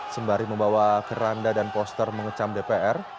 sembari membawa keranda dan poster mengecam dpr